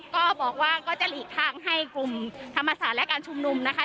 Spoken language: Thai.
ก็บอกว่าก็จะหลีกทางให้กลุ่มธรรมศาสตร์และการชุมนุมนะคะ